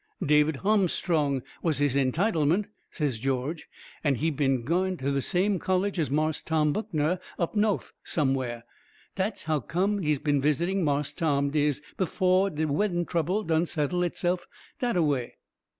"David Ahmstrong was his entitlement," says George, "an' he been gwine to de same college as Marse Tom Buckner, up no'th somewhah. Dat's how come he been visitin' Marse Tom des befoh de weddin' trouble done settle HIT se'f dat away."